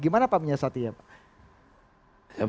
gimana pak menyiasat dia pak